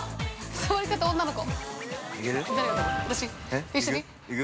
◆座り方、女の子。